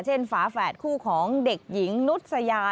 ฝาแฝดคู่ของเด็กหญิงนุษยา